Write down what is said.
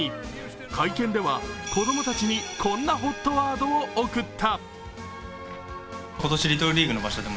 会見では、子供たちにこんなＨＯＴワードを贈った。